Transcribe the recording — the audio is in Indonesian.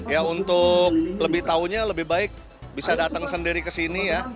ya untuk lebih tahunya lebih baik bisa datang sendiri ke sini ya